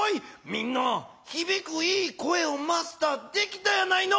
みんなひびくいい声をマスターできたやないの。